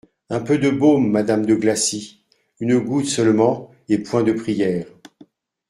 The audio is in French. Un peu de baume, madame de Blacy, une goutte seulement et point de prières.